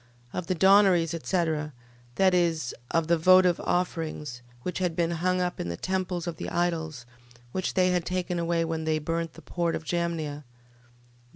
Of the donaries, etc... That is, of the votive offerings, which had been hung up in the temples of the idols, which they had taken away when they burnt the port of Jamnia, ver.